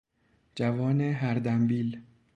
جوان هردمبیل